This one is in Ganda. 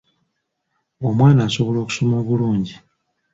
Omwana asobola okusoma obulungi.